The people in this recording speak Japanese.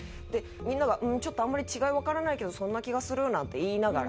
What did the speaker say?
みんなが「うーんちょっとあんまり違いわからないけどそんな気がする」なんて言いながら。